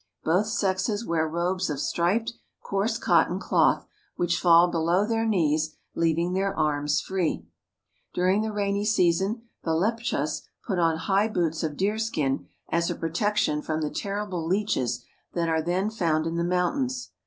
Both sexes wear robes of striped, coarse cotton cloth which fall below their knees, leaving their arms free. During the rainy season, the Leptchas put on high boots of deerskin as a protection from the terrible leeches that are then found in the mountains.